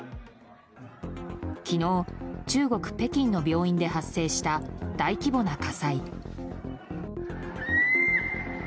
昨日、中国・北京の病院で発生した大規模な火災。